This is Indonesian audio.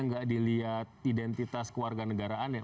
nggak dilihat identitas keluarga negaraan